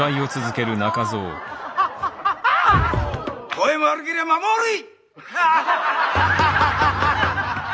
声も悪けりゃ間も悪い！